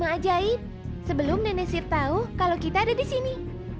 ajaib sebelum nenek sir tahu kalau kita ada di sini